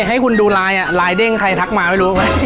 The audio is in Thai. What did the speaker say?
ให้คุณดูลายอ่ะลายเด้งใครทักมาไม่รู้ไหม